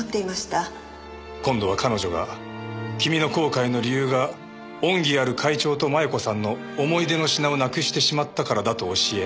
今度は彼女が君の後悔の理由が恩義ある会長と摩耶子さんの思い出の品をなくしてしまったからだと教え。